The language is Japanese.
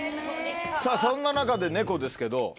さぁそんな中で猫ですけど。